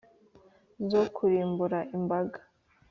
zo kurimbura imbaga